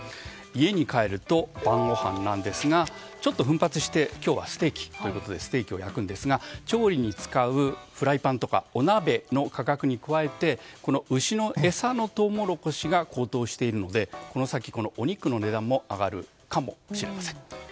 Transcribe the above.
家に帰ると晩ごはんなんですが今日はステーキということでステーキを焼くんですが調理に使うフライパンとかお鍋の価格に加えて牛の餌のトウモロコシが高騰しているのでこの先、お肉の値段も上がるかもしれません。